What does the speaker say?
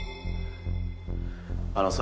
あのさ。